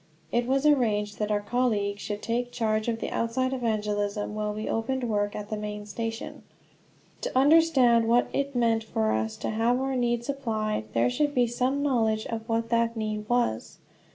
It was arranged that our colleague should take charge of the outside evangelism, while we opened work at the main station. To understand what it meant for us to have our need supplied, there should be some knowledge of what that need was.